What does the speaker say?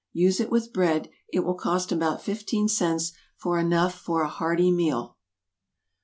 Use it with bread; it will cost about fifteen cents for enough for a hearty meal.